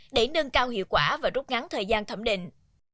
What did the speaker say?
để nâng cao hiệu quả và rút ngắn thời gian thẩm định